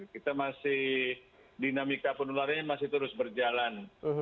kita masih dinamika penularannya masih terus berjalan